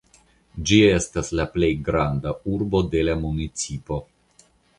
Ĝi estas la plej granda urbo de la municipo.